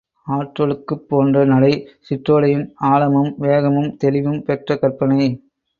ஆற்றொழுக்குப் போன்ற நடை, சிற்றோடையின் ஆழமும், வேகமும், தெளிவும் பெற்ற கற்பனை.